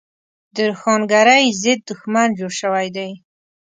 د روښانګرۍ ضد دښمن جوړ شوی دی.